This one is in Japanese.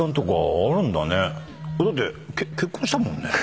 だって結婚したもんね？